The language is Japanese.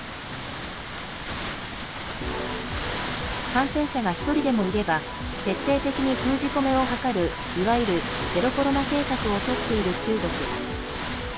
感染者が１人でもいれば徹底的に封じ込めを図るいわゆる、ゼロコロナ政策をとっている中国。